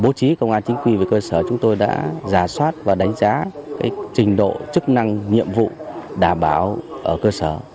bố trí công an chính quy về cơ sở chúng tôi đã giả soát và đánh giá trình độ chức năng nhiệm vụ đảm bảo ở cơ sở